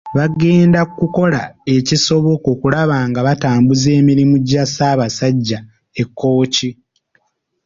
Bagenda kukola ekisoboka okulaba nga batambuza emirimu gya Ssaabasajja e Kkooki.